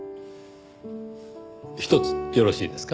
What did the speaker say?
ひとつよろしいですか？